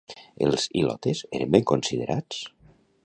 Els ilotes eren ben considerats?